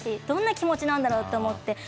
どんな気持ちなんだろうと思って。